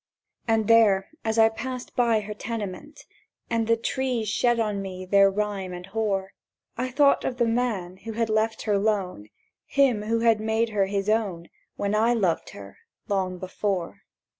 And there, as I paused by her tenement, And the trees shed on me their rime and hoar, I thought of the man who had left her lone— Him who made her his own When I loved her, long before.